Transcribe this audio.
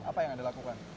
apa yang anda lakukan